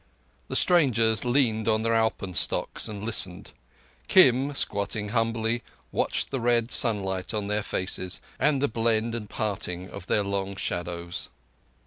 The strangers leaned on their alpenstocks and listened. Kim, squatting humbly, watched the red sunlight on their faces, and the blend and parting of their long shadows.